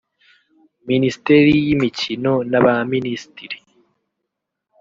minisiteri y’imikino n’aba minisitiri